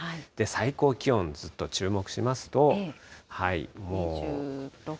最高気温、ずっと注目しますと。